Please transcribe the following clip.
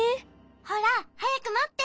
ほらはやくもって。